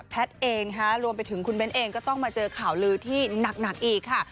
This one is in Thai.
เองรวมไปถึงคุณเบ้นเองก็ต้องมาเจอข่าวลือที่หนักอีกค่ะ